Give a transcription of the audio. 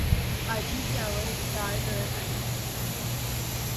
आजी जात्यावर डाळ दळत आहे.